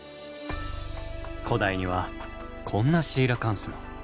古代にはこんなシーラカンスも。